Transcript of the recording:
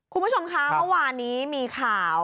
คุณผู้ชมคะเมื่อวานนี้มีข่าว